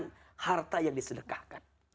makin banyak yang kita berikan